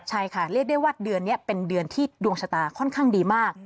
ใช่ค่ะเรียกได้ว่าเดือนนี้เป็นเดือนที่ดวงชะตาค่อนข้างดีมาก